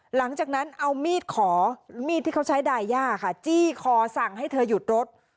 หลังจากนั้นเอามีดขอมีดที่เขาใช้ดายย่าค่ะจี้คอสั่งให้เธอหยุดรถ